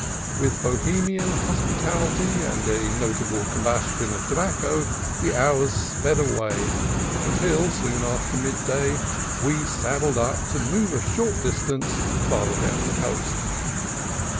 With Bohemian hospitality and a notable combustion of tobacco the hours sped away, until, soon after midday, we saddled up to move a short distance farther down the coast.